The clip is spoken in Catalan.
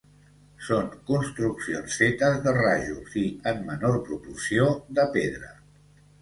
Són construccions fetes de rajols i, en menor proporció, de pedra.